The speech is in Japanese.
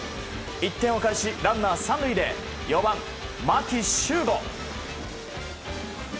１点を返しランナー３塁で４番、牧秀悟。